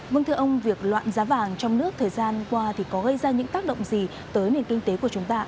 vâng thưa ông việc loạn giá vàng trong nước thời gian qua thì có gây ra những tác động gì tới nền kinh tế của chúng ta